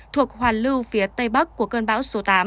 thuộc hoàn lưu phía tây bắc của cơn bão số tám